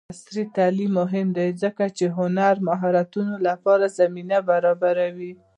عصري تعلیم مهم دی ځکه چې د هنري مهارتونو لپاره زمینه برابروي.